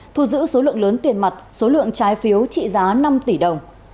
thu giữ số lượng lớn tiền mặt số lượng trái phiếu trị giá năm tỷ đồng